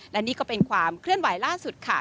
และนี่ก็เป็นความเคลื่อนไหวล่าสุดค่ะ